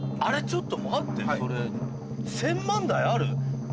ちょっと待ってそれ１０００万台ある？